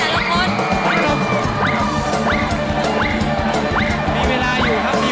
๖นาทีก็ครึ่งแล้วหรือ๓๐ล้างกี่